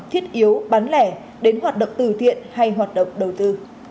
thiết yếu bán lẻ đến hoạt động từ thiện hay hoạt động đầu tư